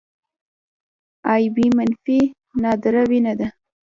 اې بي منفي نادره وینه ده